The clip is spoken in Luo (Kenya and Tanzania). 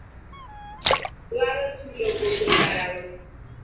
Idwaro chulo gope kar ang'o.